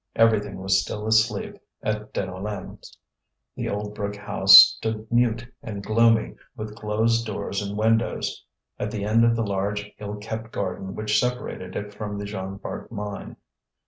Everything was still asleep at Deneulin's; the old brick house stood mute and gloomy, with closed doors and windows, at the end of the large ill kept garden which separated it from the Jean Bart mine.